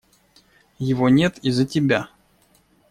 Его нет из-за тебя.